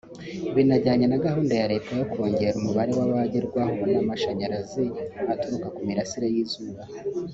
binajyanye na gahunda ya Leta yo kongera umubare w’abagerwaho n’amashanyarazi aturuka ku mirasire y’izuba